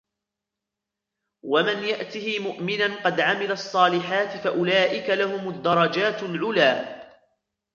ومن يأته مؤمنا قد عمل الصالحات فأولئك لهم الدرجات العلى